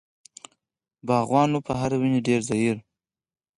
باغبان و په هرې ونې ډېر زهیر.